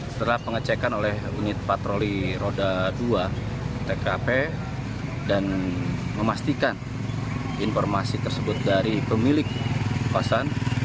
setelah pengecekan oleh unit patroli roda dua tkp dan memastikan informasi tersebut dari pemilik kosan